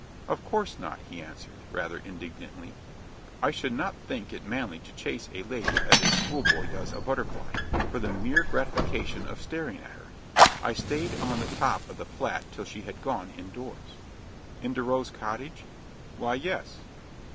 "Of course not," he answered, rather indignantly. "I should not think it manly to chase a lady as a schoolboy does a butterfly, for the mere gratification of staring at her. I stayed on the top of the Flat till she had gone indoors." "Into Rose Cottage?" "Why yes."